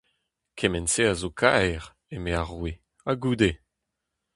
Kement-se a zo kaer, eme ar roue : ha goude ?